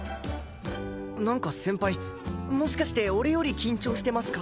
なんか先輩もしかして俺より緊張してますか？